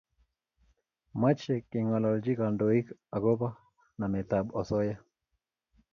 Mache kengalolchi kandoik akobo namet ab asoya